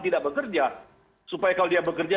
tidak bekerja supaya kalau dia bekerja